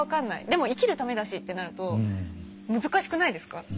でも生きるためだしってなると難しくないですか？